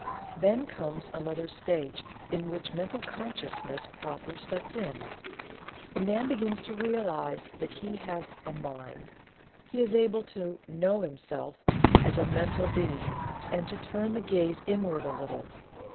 Then comes another stage in which mental consciousness proper sets in. The man begins to realize that he has "a mind." He is able to "know himself" as a mental being, and to turn the gaze inward a little.